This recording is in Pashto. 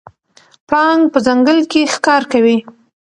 پړانګ په ځنګل کې ښکار کوي.